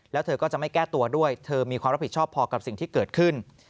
แล้วเธอก็จะไม่แก้ตัวด้วยเธอมีความรับผิดชอบพอกับสิ่งที่เกิดขึ้น